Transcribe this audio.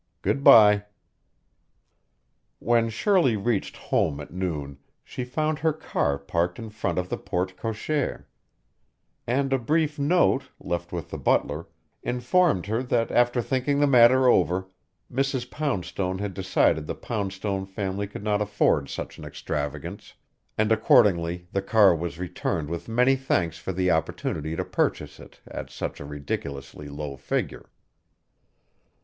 Good bye!" When Shirley reached home at noon, she found her car parked in front of the porte cochere; and a brief note, left with the butler, informed her that after thinking the matter over, Mrs. Poundstone had decided the Poundstone family could not afford such an extravagance, and accordingly the car was returned with many thanks for the opportunity to purchase it at such a ridiculously low figure.